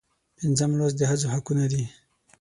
پنځم لوست د ښځو حقونه دي.